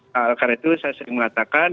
karena itu saya sering mengatakan